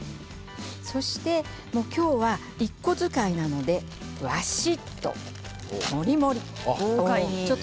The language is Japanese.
そして今日は、１個使いなのでわしっともりもり。